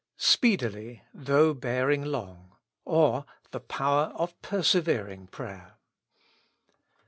* 'Speedily, though bearing long: " or, The Power of Persevering Prayer.